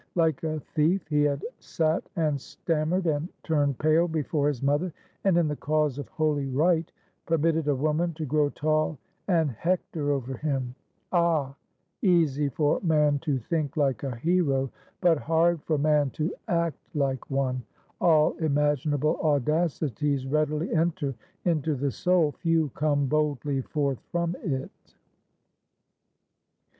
Like a thief he had sat and stammered and turned pale before his mother, and in the cause of Holy Right, permitted a woman to grow tall and hector over him! Ah! Easy for man to think like a hero; but hard for man to act like one. All imaginable audacities readily enter into the soul; few come boldly forth from it.